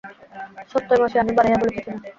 সত্যই মাসি, আমি বাড়াইয়া বলিতেছি না।